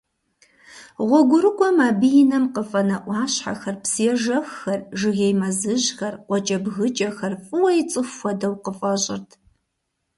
Гъуэгурыкӏуэм абы и нэм къыфӏэнэ ӏуащхьэхэр, псыежэххэр, жыгей мэзыжьхэр, къуакӏэбгыкӏэхэр фӏыуэ ицӏыху хуэдэу къыфӏэщӏырт.